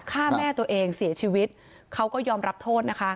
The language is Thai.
ฆ่าแม่ตัวเองเสียชีวิตเขาก็ยอมรับโทษนะคะ